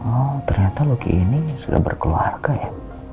oh ternyata luki ini sudah berkeluarga ya